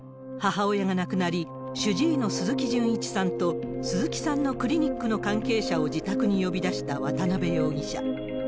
母親が亡くなり、主治医の鈴木純一さんと、鈴木さんのクリニックの関係者を自宅に呼び出した渡辺容疑者。